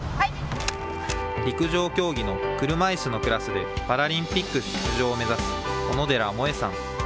陸上競技の車いすのクラスで、パラリンピック出場を目指す小野寺萌恵さん。